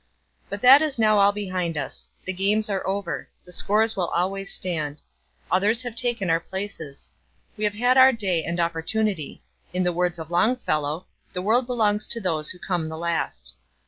But that is now all behind us. The games are over. The scores will always stand. Others have taken our places. We have had our day and opportunity. In the words of Longfellow, "The world belongs to those who come the last."